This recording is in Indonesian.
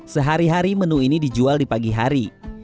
sehari hari menu ini dijual di pagi hari